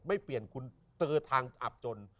ไม่เปลี่ยนคุณเจอทางอับจน